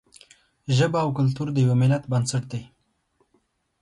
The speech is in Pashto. ژبه او کلتور د یوه ملت بنسټ دی.